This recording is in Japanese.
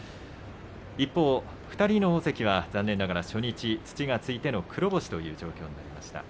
一方、２人の大関は残念ながら初日、土がついての黒星という状況になりました。